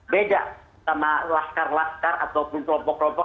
beda sama laskar laskar ataupun kelompok kelompok